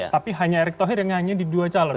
tapi hanya erik thohir yang hanya di dua calon